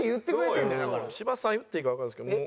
芝さん言っていいかわからないですけど。